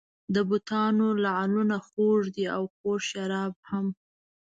د بتانو لعلونه خوږ دي او خوږ شراب هم.